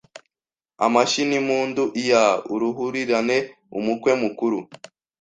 Amashyi n’impundu ia uruhurirane! Umukwe mukuru: